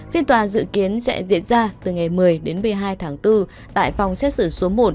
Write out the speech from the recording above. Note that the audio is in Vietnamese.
phiên tòa dự kiến sẽ diễn ra từ ngày một mươi đến một mươi hai tháng bốn tại phòng xét xử số một